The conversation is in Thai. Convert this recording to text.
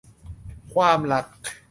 ความรัก